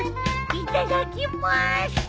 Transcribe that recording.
いただきます！